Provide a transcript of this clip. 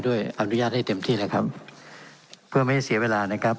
อนุญาตให้เต็มที่เลยครับเพื่อไม่ให้เสียเวลานะครับ